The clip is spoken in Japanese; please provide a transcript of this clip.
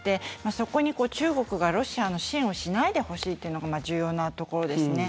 そこに、中国がロシアの支援をしないでほしいというのが重要なところですね。